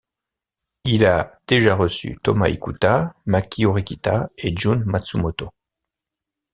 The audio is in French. Il a déjà reçu Toma Ikuta, Maki Horikita et Jun Matsumoto.